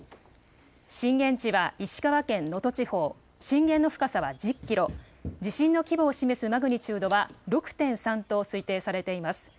震源地は石川県能登地方、震源の深さは１０キロ、地震の規模を示すマグニチュードは６．３と推定されています。